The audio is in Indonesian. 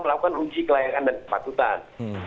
melakukan uji kelayakan dan kepatutan